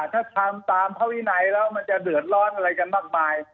ถ้าทำตามพระวินัยแล้วมันจะเดือดร้อนอะไรกันมากมาย